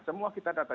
semua kita data